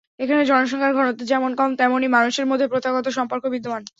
এখানে জনসংখ্যার ঘনত্ব যেমন কম, তেমনি মানুষের মধ্যে প্রথাগত সম্পর্ক বিদ্যমান।